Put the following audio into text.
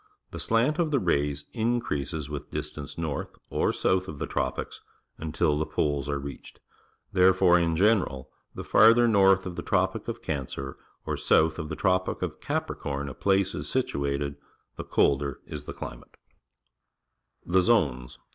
The slant of the rays increases with distance north or south of the tropics until the poles are reached. Therefore, in general, the farther north of the Tropic of Cancer or south of the Tropic of Capricorn a place is situated, the colder is the climate. THE ATMOSPHERE, WINDS, AND RAIN 39 The Zones.